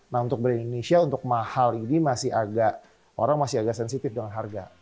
nah untuk brand indonesia untuk mahal ini masih agak orang masih agak sensitif dengan harga